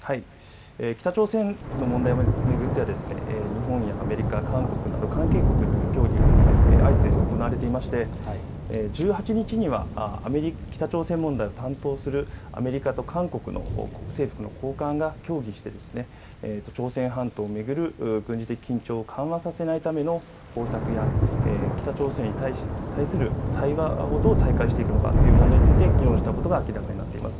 北朝鮮の問題を巡っては日本やアメリカ、韓国など関係国による協議が相次いで行われていまして１８日には北朝鮮問題を担当するアメリカと韓国の政府の高官が協議して朝鮮半島を巡る軍事的緊張を緩和させないための方策や北朝鮮に対する対話をどう再開していくのかという問題について議論したことが明らかになっています。